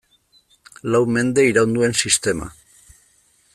Lau mende iraun duen sistema.